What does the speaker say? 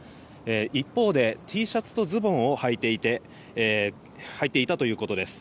一方で、Ｔシャツとズボンをはいていたということです。